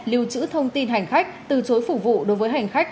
lưu trữ thông tin hành khách từ chối phục vụ đối với hành khách